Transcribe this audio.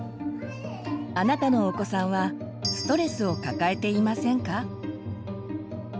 あなたのお子さんはストレスを抱えていませんか？